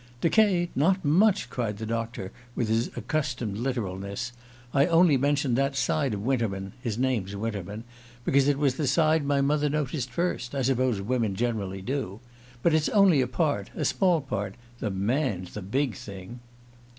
"Decayed? Not much!" cried the doctor with his accustomed literalness. "I only mentioned that side of Winterman his name's Winterman because it was the side my mother noticed first. I suppose women generally do. But it's only a part a small part. The man's the big thing."